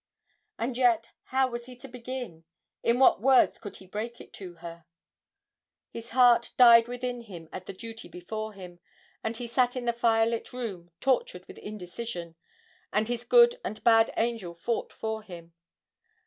And yet how was he to begin in what words could he break it to her? His heart died within him at the duty before him, and he sat in the firelit room, tortured with indecision, and his good and bad angel fought for him.